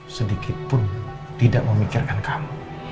sedikitpun tidak memikirkan kamu